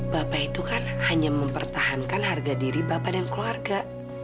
bapak itu kan hanya mempertahankan harga diri bapak dan keluarga